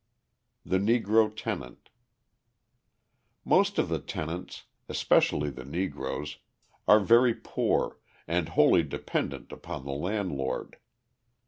The Negro Tenant Most of the tenants, especially the Negroes, are very poor, and wholly dependent upon the landlord.